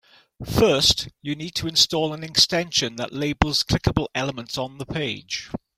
First, you need to install an extension that labels clickable elements on the page.